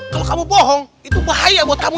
kalau kamu bohong itu bahaya buat kamu